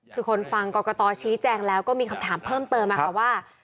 คือคนฟังกรกตชี้แจงแล้วก็มีคำถามเพิ่มเติมค่ะว่า